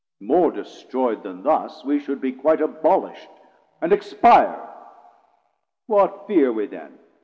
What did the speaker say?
More destroy'd then thus We should be quite abolisht and expire. What fear we then?